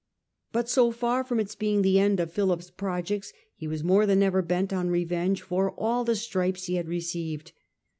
^ But so far from its being the end of Philip's projects, he was more than ever bent on revenge for all the stripes he had received.